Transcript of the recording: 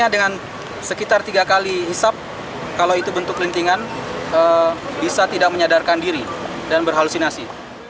hanya dengan sekitar tiga kali hisap kalau itu bentuk rintingan bisa tidak menyadarkan diri dan berhalusinasi